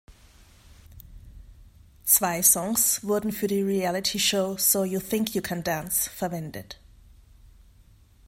Zwei Songs wurden für die Reality Show So You Think You Can Dance verwendet.